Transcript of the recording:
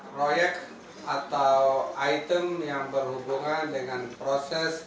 proyek atau item yang berhubungan dengan proses